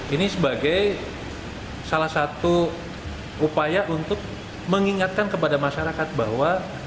ini sebagai salah satu upaya untuk mengingatkan kepada masyarakat bahwa